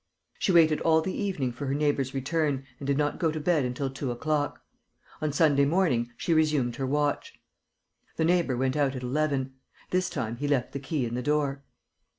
She waited all the evening for her neighbour's return and did not go to bed until two o'clock. On Sunday morning, she resumed her watch. The neighbour went out at eleven. This time he left the key in the door.